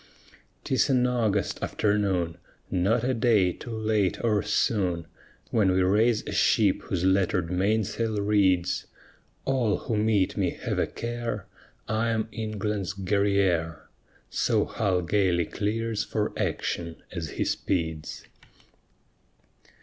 'Tis an August afternoon Not a day too late or soon, When we raise a ship whose lettered mainsail reads: All who meet me have a care, I am England's Guerrière; So Hull gayly clears for action as he speeds.